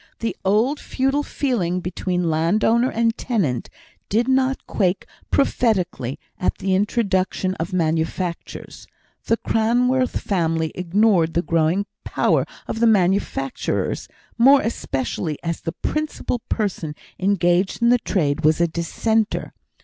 The old feudal feeling between land owner and tenant did not quake prophetically at the introduction of manufactures; the Cranworth family ignored the growing power of the manufacturers, more especially as the principal person engaged in the trade was a Dissenter.